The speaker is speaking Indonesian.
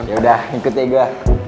yaudah ikut ya gua